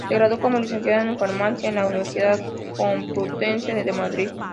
Se graduó como licenciada en farmacia en la Universidad Complutense de Madrid.